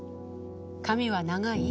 髪は長い？